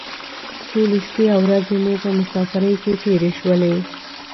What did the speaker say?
ټولې شپې او ورځې مو په مسافرۍ کې تېرې شولې.